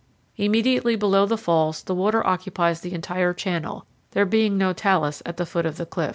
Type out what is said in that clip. Immediately below the falls the water occupies the entire channel, there being no talus at the foot of the cliffs.